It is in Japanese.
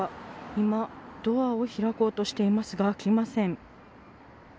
今、ドアを開こうとしていますが開きません。